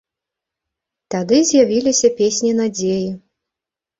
Тады з'явіліся песні надзеі.